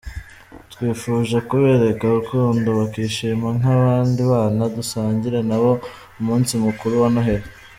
Twifuje kubereka urukundo bakishima nk’abandi bana dusangira nabo umunsi mukuru wa Noheli.